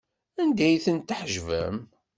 Anda ay tent-tḥejbem?